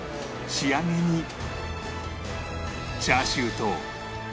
仕上げにチャーシューと半熟の味玉